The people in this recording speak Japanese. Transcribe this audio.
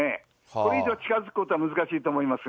これ以上近づくことは難しいと思いますね。